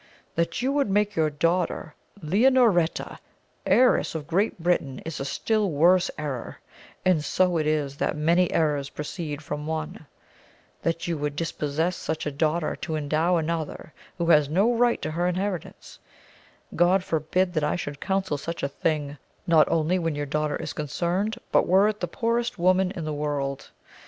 That you would make your daughter Leonoreta heiress of Great Britain is a still worse error, and so it is that many errors proceed from one ; that you would dispossess such a daughter, to endow an other, who has no right to her inheritance I Grod forbid that I should counsel such a thing, not only when your daughter is concerned, but were it the poorest woman in the world.